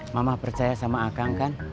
mama percaya sama akang kan